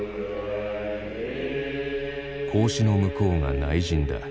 格子の向こうが内陣だ。